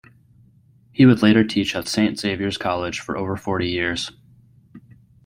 He would later teach at Saint Xavier's College for over forty years.